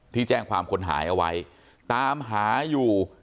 ที่แจ้งความคนหายเอาไว้ตามหาอยู่